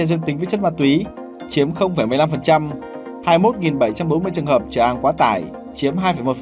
tương đương tính với chất ma túy chiếm một mươi năm hai mươi một bảy trăm bốn mươi trường hợp trở an quá tải chiếm hai một